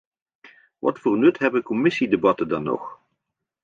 Wat voor nut hebben commissiedebatten dan nog?